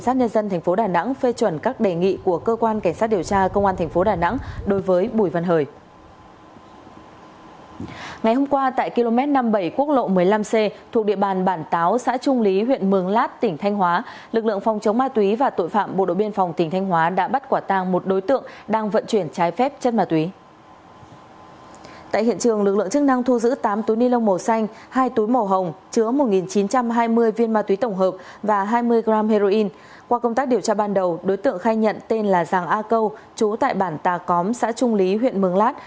trong các điều tra ban đầu đối tượng khai nhận tên là giang a câu chú tại bản tà cóm xã trung lý huyện mường lát